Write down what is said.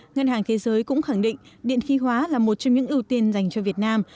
ngân hàng thế giới cũng khẳng định điện khí hóa là một trong những ưu tiên dành cho việt nam